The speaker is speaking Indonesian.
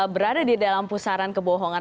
berada di dalam pusaran kebohongan